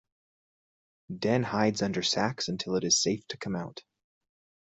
Den hides under sacks until it is safe to come out.